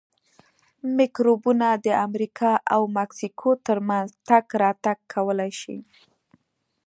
میکروبونه د امریکا او مکسیکو ترمنځ تګ راتګ کولای شي.